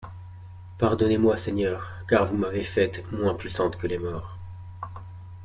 Pardonnez-moi, Seigneur, car vous m'avez faite moins puissante que les morts!